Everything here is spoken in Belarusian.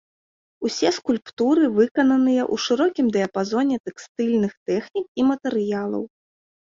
Усе скульптуры выкананыя ў шырокім дыяпазоне тэкстыльных тэхнік і матэрыялаў.